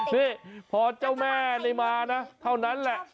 นี่พอเจ้าแม่ได้มานะเท่านั้นแหละ